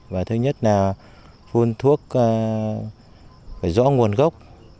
và thứ nhất là phun thuốc phải rõ nguồn gốc